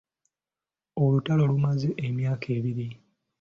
Olutalo lumaze emyaka ebiri.